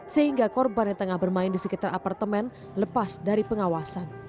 sehingga korban yang tengah bermain di sekitar apartemen lepas dari pengawasan